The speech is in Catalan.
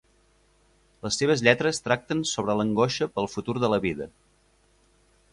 Les seves lletres tracten sobre l'angoixa pel futur de la vida.